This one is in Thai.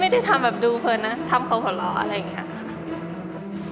ไม่ได้ทำแบบดูเพลินนะทำเขาหัวเราะอะไรอย่างนี้